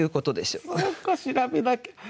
そうか調べなきゃ。